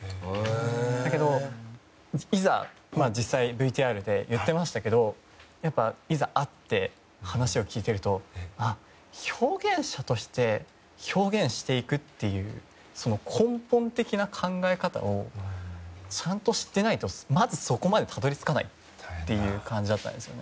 だけど、実際ＶＴＲで言ってましたけどいざ、会って話を聞いてると表現者として表現していくっていう根本的な考え方をちゃんと知ってないとまず、そこまでたどり着かないという感じだったんです。